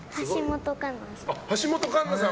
橋本環奈さん。